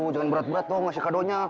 aduh jangan berat berat dong ngasih kado nya